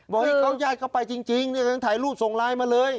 บอกให้เขาย่ายเข้าไปจริงถ่ายรูปส่งไลน์มาเลย